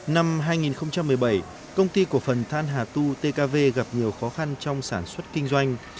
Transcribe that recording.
năm hai nghìn một mươi bảy công ty cổ phần than hà tu tkv gặp nhiều khó khăn trong sản xuất kinh doanh